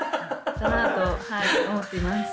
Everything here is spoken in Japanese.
だなと思っています。